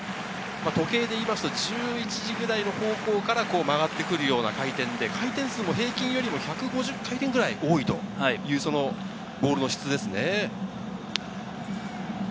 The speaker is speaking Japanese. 時計でいうと１１時ぐらいの方向から曲がってくるような回転で回転数よりも１５０回転ぐらい平均より多いボールですね。